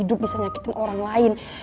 hidup bisa nyakitin orang lain